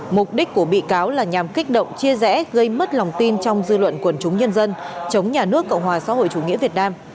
mục đích của bị cáo là nhằm kích động chia rẽ gây mất lòng tin trong dư luận quần chúng nhân dân chống nhà nước cộng hòa xã hội chủ nghĩa việt nam